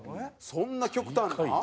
そんな極端な？